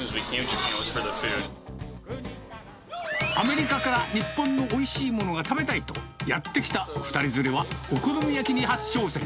アメリカから、日本のおいしいものが食べたいとやって来た２人連れは、お好み焼きに初挑戦。